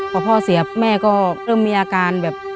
พอพ่อเสียแม่ก็เริ่มมีอาการแบบ